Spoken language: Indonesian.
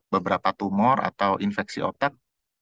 beberapa tumor atau infeksi otot